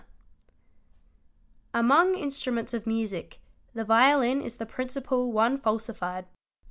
Among instruments of music, the violin is the principal one falsified.